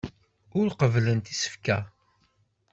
Ur qebblent isefka.